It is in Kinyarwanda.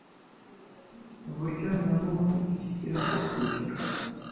buryo na bumwe ikigira bwo kwishyura